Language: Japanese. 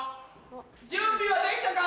準備はできたか？